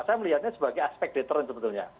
saya melihatnya sebagai aspek detern sebetulnya